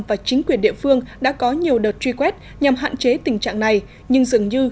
và chính quyền địa phương đã có nhiều đợt truy quét nhằm hạn chế tình trạng này nhưng dường như